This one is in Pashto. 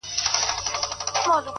o پور د ميني لور دئ!